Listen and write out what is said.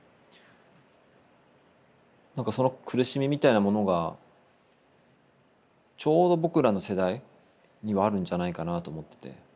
なんかその苦しみみたいなものがちょうど僕らの世代にはあるんじゃないかなと思ってて。